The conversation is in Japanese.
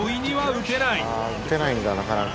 打てないんだなかなか。